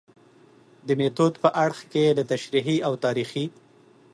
د میتود په اړخ کې له تشریحي او تاریخي